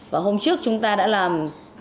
và hôm trước chúng ta đã làm